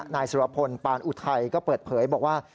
นายสุรพลปานอุทัยก็เปิดเผยบอกว่า